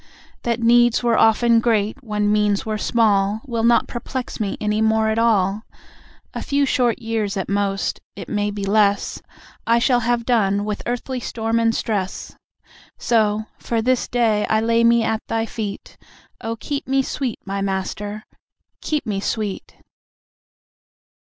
That needs were often great, when means were small, Will not perplex me any more at all A few short years at most (it may be less), I shall have done with earthly storm and stress. So, for this day, I lay me at Thy feet. O, keep me sweet, my Master! Keep me sweet!